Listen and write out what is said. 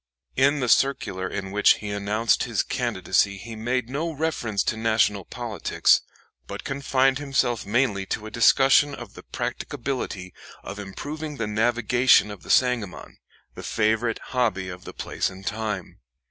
In the circular in which he announced his candidacy he made no reference to national politics, but confined himself mainly to a discussion of the practicability of improving the navigation of the Sangamon, the favorite hobby of the place and time.